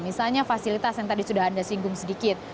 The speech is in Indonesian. misalnya fasilitas yang tadi sudah anda singgung sedikit